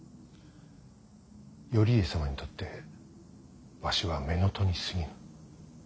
頼家様にとってわしは乳父にすぎぬ。